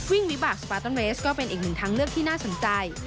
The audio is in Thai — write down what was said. วิ่งวิบัตรสปาร์ตอลเมสก็เป็นอีกหนึ่งทั้งเลือกที่น่าสนใจ